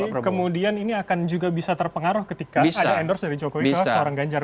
jadi kemudian ini akan juga bisa terpengaruh ketika ada endorse dari jokowi ke sarang ganjar